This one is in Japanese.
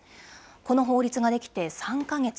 この法律ができて３か月。